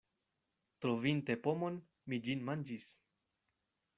Trovinte pomon, mi ĝin manĝis.